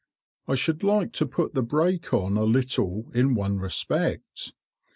I should like to put the brake on a little in one respect.